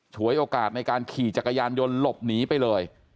ฉวยโอกาสในการขี่จักรยานยนต์หลบหนีไปเลย